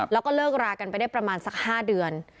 แล้วก็เลิกรากันไปได้ประมาณสัก๕เดือน